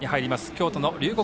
京都の龍谷